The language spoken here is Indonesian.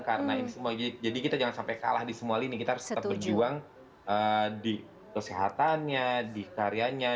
karena ini semua jadi kita jangan sampai kalah di semua ini kita harus tetap berjuang di kesehatannya di karyanya di karya karyanya